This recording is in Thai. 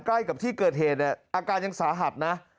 ใกล้กับที่เกิดเหตุเนี่ยอาการยังสาหัสนะ